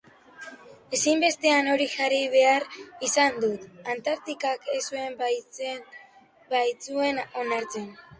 Ezinbestean hori jarri behar izan dut, Antartika ez baitzuten onartzen.